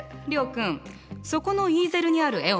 そこのイーゼルにある絵を見て。